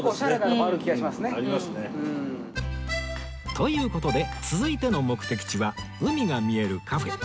という事で続いての目的地は海が見えるカフェ